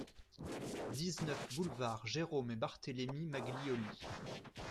dix-neuf boulevard Jérome et Barthélémy Maglioli